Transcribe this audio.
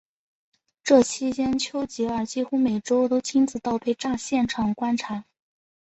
这期间丘吉尔几乎每周都亲自到被炸现场视察。